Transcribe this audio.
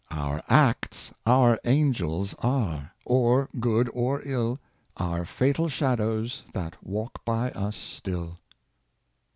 Our acts our angels are, or good or ill. Our fatal shadows that walk by us still."